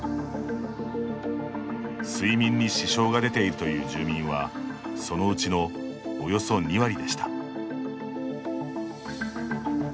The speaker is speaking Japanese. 睡眠に支障が出ているという住民は、そのうちのおよそ２割でした。